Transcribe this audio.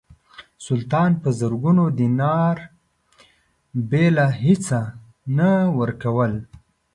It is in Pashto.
سلطان په زرګونو دیناره بېله هیڅه نه ورکول.